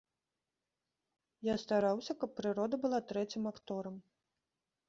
Я стараўся, каб прырода была трэцім акторам.